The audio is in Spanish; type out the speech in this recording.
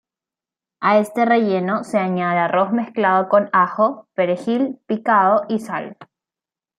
A este relleno se añade arroz mezclado con ajo, perejil picado y sal.